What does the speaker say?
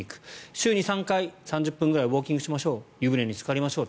週２３回、３０分くらいウォーキングしましょう湯船につかりましょう。